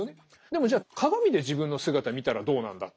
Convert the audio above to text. でもじゃあ鏡で自分の姿見たらどうなんだ。